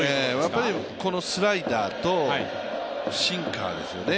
やっぱりこのスライダーとシンカーですよね。